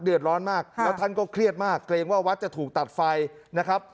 เดือดร้อนมากแล้วท่านก็เครียดมากเกรงว่าวัดจะถูกตัดไฟนะครับ